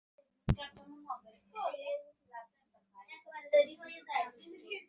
তিনি নারী সত্যাগ্রহ সমিতির সদস্য ছিলেন।